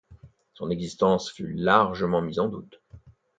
Son existence fut largement mise en doute.